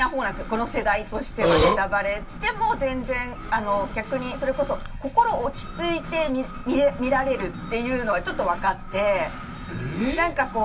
この世代としてはネタバレしても全然、逆に心落ち着いて見られるというのはちょっと分かって。